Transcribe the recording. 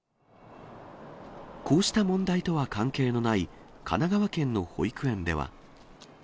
こうした問題とは関係のない神奈川県の保育園では。